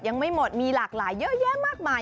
ยังไม่หมดมีหลากหลายเยอะแยะมากมาย